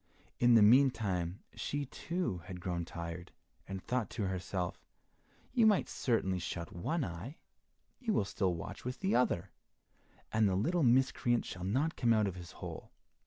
In the meantime she, too, had grown tired and thought to herself, "You might certainly shut one eye, you will still watch with the other, and the little miscreant shall not come out of his hole."